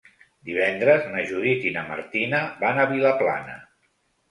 Divendres na Judit i na Martina van a Vilaplana.